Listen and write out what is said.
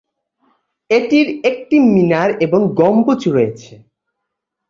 এটির একটি মিনার এবং গম্বুজ রয়েছে।